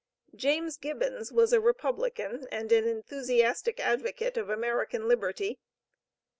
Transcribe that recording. James Gibbons was a republican, and an enthusiastic advocate of American liberty.